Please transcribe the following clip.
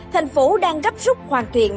thành phố đang gấp rút hoàn thiện